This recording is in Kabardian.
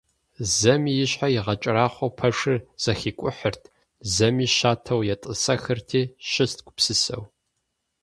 Зэми и щхьэр игъэкӀэрахъуэу пэшыр зэхикӀухьырт, зэми щатэу етӀысэхырти щыст гупсысэу.